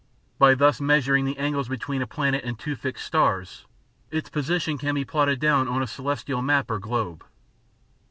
By thus measuring the angles between a planet and two fixed stars, its position can be plotted down on a celestial map or globe.